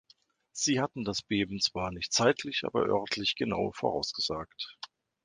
Sie hatten das Beben zwar nicht zeitlich aber örtlich genau vorausgesagt.